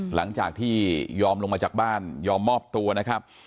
หลังจากที่ยอมลงมาจากบ้านยอมมอบตัวนะครับ